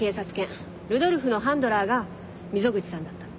ルドルフのハンドラーが溝口さんだったの。